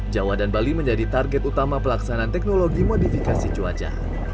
jawa dan bali menjadi target utama pelaksanaan teknologi modifikasi cuaca